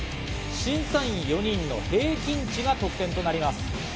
審査員４人の平均値が得点となります。